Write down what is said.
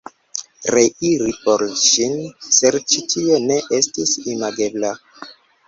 Reiri por ŝin serĉi, tio ne estis imagebla.